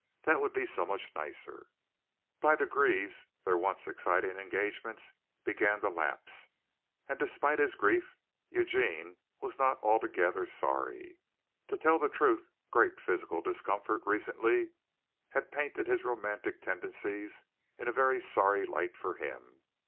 That would be so much nicer. By degrees their once exciting engagements began to lapse, and despite his grief Eugene was not altogether sorry. To tell the truth, great physical discomfort recently had painted his romantic tendencies in a very sorry light for him.